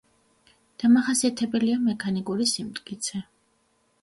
დამახასიათებელია მექანიკური სიმტკიცე.